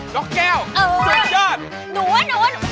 น็อกแก้วสุดยอดนูน